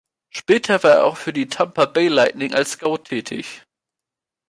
Später war er auch für die Tampa Bay Lightning als Scout tätig.